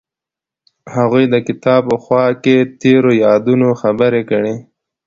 هغوی د کتاب په خوا کې تیرو یادونو خبرې کړې.